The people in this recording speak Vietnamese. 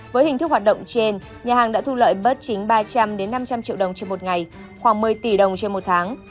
với hình thức hoạt động trên nhà hàng đã thu lợi bất chính ba trăm linh năm trăm linh triệu đồng trên một ngày khoảng một mươi tỷ đồng trên một tháng